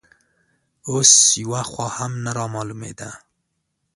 اوس یوه خوا هم نه رامالومېده